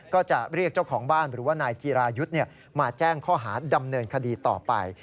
ก็จะเรียกเจ้าของบ้านหรือว่านายจีรายุทธ์มาแจ้งข้อหาดำเนินคดีต่อไป